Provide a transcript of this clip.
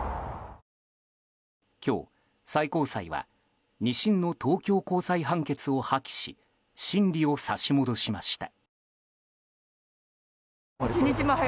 今日、最高裁は２審の東京高裁判決を破棄し審理を差し戻しました。